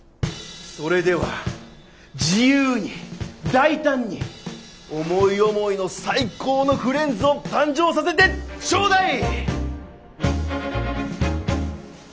それでは自由に大胆に思い思いの最高のフレンズを誕生させてちょうだい！